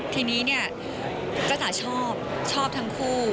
ทีนี้จ๊ะจ๋าชอบชอบทั้งคู่